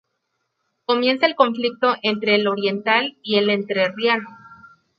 Comienza el conflicto entre el oriental y el entrerriano.